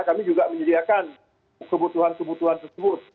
kami juga menyediakan kebutuhan kebutuhan tersebut